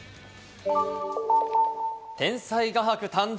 天才画伯誕生！